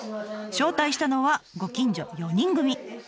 招待したのはご近所４人組。